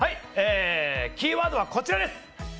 キーワードはこちらです！